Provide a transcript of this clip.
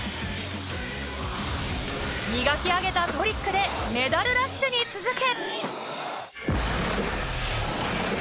磨き上げたトリックでメダルブラッシュに続け！